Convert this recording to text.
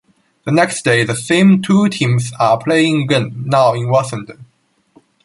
The next day, the same two teams are playing again, now in Washington.